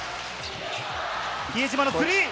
比江島のスリー。